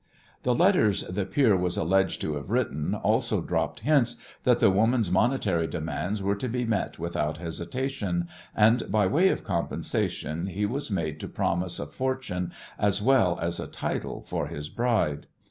The letters the peer was alleged to have written also dropped hints that the woman's monetary demands were to be met without hesitation, and by way of compensation he was made to promise a fortune as well as a title for his bride.